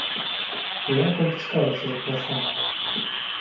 Я, колькі скажаце, заплачу.